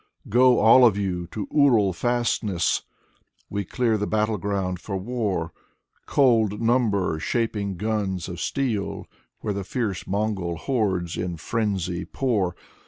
Go, all of you, to Ural fastnesses. We clear the battle ground for war; Cold Number shaping guns of steel Where the fierce Mongol hordes in frenzy pour.